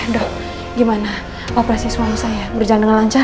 dok gimana operasi suami saya berjalan dengan lancar